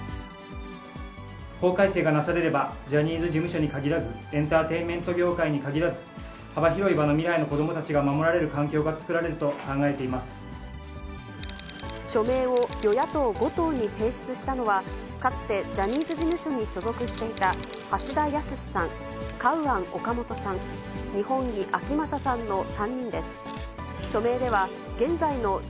法改正がなされれば、ジャニーズ事務所に限らず、エンターテインメント業界に限らず、幅広い場の未来の子どもたちが守られる環境が作られると考えてい署名を与野党５党に提出したのは、かつてジャニーズ事務所に所属していた橋田康さん、カウアン・オカモトさん、二本樹顕理さんの３人です。